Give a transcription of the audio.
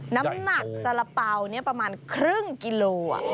น้ำหนักสาระเป๋าประมาณครึ่งกิโล